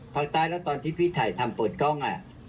ภาคใต้ตอนที่ฟิทัยทำเปิดกล้อง